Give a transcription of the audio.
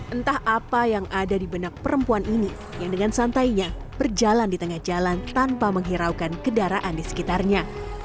entah apa yang ada di benak perempuan ini yang dengan santainya berjalan di tengah jalan tanpa menghiraukan kendaraan di sekitarnya